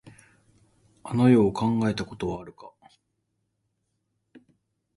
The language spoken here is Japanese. あの世を考えたことはあるか。